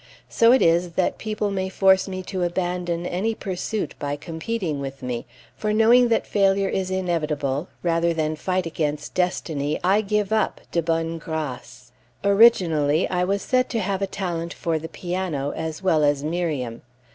So it is, that people may force me to abandon any pursuit by competing with me; for knowing that failure is inevitable, rather than fight against destiny I give up de bonne grâce. Originally, I was said to have a talent for the piano, as well as Miriam.